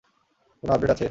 কোন আপডেট আছে?